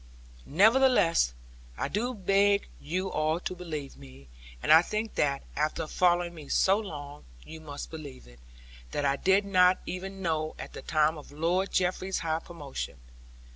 Nevertheless, I do beg you all to believe of me and I think that, after following me so long, you must believe it that I did not even know at the time of Lord Jeffreys's high promotion.